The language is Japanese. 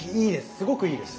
すごくいいです。